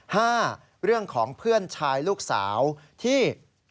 ห้าเรื่องของเพื่อนชายลูกสาวที่